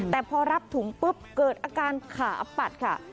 แต่พอรับถุงปุ๊บเกิดอาการขาปัดค่ะ